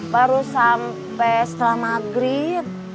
baru sampe setelah maghrib